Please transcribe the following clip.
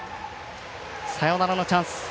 サヨナラのチャンス。